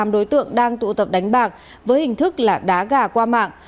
tám đối tượng đang tụ tập đánh bạc với hình thức là đá gà qua mạng